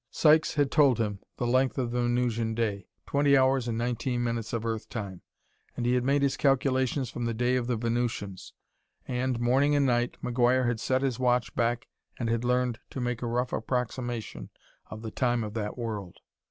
Sykes had told him the length of the Venusian day twenty hours and nineteen minutes of Earth time, and he had made his calculations from the day of the Venusians. And, morning and night, McGuire had set his watch back and had learned to make a rough approximation of the time of that world.